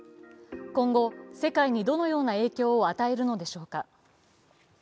今後、世界にどのような影響を与えるのでしょうか。